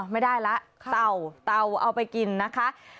ไม่ได้ละเต่าเอาไปกินนะคะ